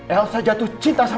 elsa jatuh cinta sama